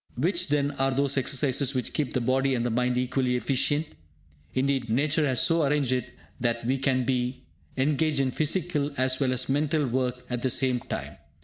Which, then, are those exercises which keep the body and the mind equally efficient? Indeed, Nature has so arranged it that we can be engaged in physical as well as mental work at the same time.